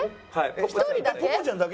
１人だけ？